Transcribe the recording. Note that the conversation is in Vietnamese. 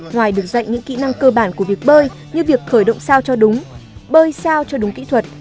ngoài được dạy những kỹ năng cơ bản của việc bơi như việc khởi động sao cho đúng bơi sao cho đúng kỹ thuật